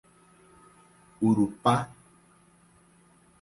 Urupá